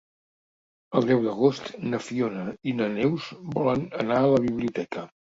El deu d'agost na Fiona i na Neus volen anar a la biblioteca.